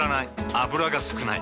油が少ない。